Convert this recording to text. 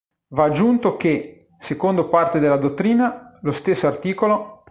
Va aggiunto che, secondo parte della dottrina, lo stesso art.